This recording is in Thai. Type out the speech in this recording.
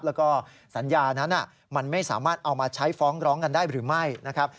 แล้วก็สัญญานั้นมันไม่สามารถเอามาใช้ฟ้องร้องกันได้หรือไม่นะครับ